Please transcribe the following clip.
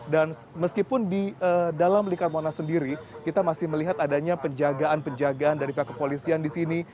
dan meskipun di dalam lingkar monas sendiri kita masih melihat adanya penjagaan penjagaan dari pakaian polisian di sini